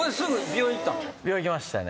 病院行きましたね。